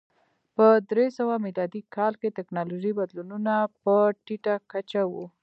په درې سوه میلادي کال کې ټکنالوژیکي بدلونونه په ټیټه کچه و.